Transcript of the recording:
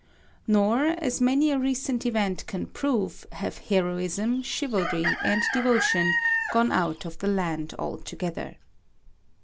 Nor, as many a recent event can prove, have heroism, chivalry, and devotion gone out of the land altogether.